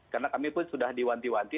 karena kami pun sudah diwanti wanti